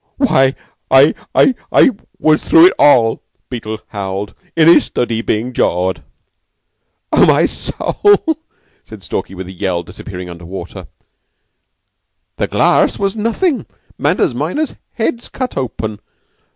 "Why, I I I was through it all," Beetle howled; "in his study, being jawed." "Oh, my soul!" said Stalky with a yell, disappearing under water. "The the glass was nothing. Manders minor's head's cut open.